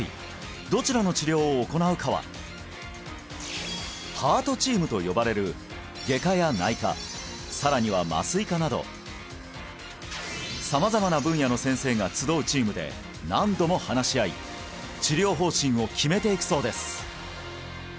どちらの治療を行うかはハートチームと呼ばれる外科や内科さらには麻酔科など様々な分野の先生が集うチームで何度も話し合い治療方針を決めていくそうです